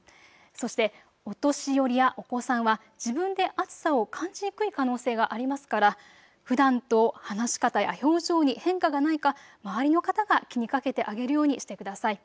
そしてお年寄りやお子さんは自分で暑さを感じにくい可能性がありますからふだんと話し方や表情に変化がないか周りの方が気にかけてあげるようにしてください。